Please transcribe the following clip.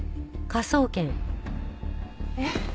えっ。